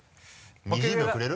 ２０秒くれる？